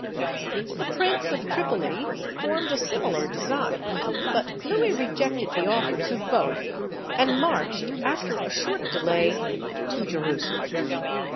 The Prince of Tripoli formed a similar design; but Louis rejected the offers of both, and marched, after a short delay, to Jerusalem.